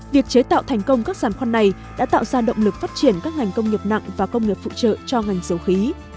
việc chế tạo thành công các sản khoan này đã tạo ra động lực phát triển các ngành công nghiệp nặng và công nghiệp phụ trợ cho ngành dầu khí